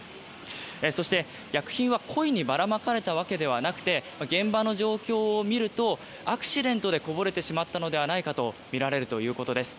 そして、薬品は故意にばらまかれたわけではなくて現場の状況を見るとアクシデントでこぼれてしまったのではないかとみられるということです。